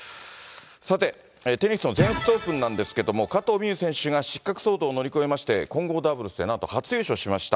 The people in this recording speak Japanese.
さて、テニスの全仏オープンなんですけれども、加藤未唯選手が失格騒動を乗り越えまして、混合ダブルスでなんと初優勝しました。